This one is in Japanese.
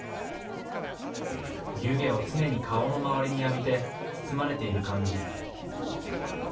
湯気を常に顔の周りに浴びて包まれている感じ。